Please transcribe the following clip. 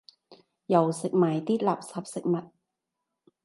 又食埋啲垃圾食物